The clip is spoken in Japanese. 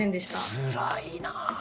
つらいな。